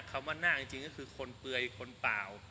คำว่าหน้าจริงก็คือคนเปลือยคนเปล่า